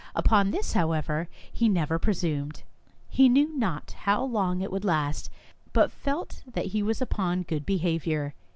Upon this, however, he never presumed. He knew not how long it would last, but felt that he was upon good behaviour.